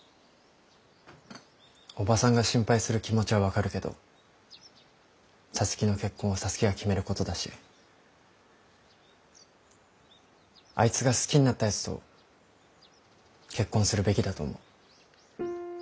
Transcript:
おばさんが心配する気持ちは分かるけど皐月の結婚は皐月が決めることだしあいつが好きになったやつと結婚するべきだと思う。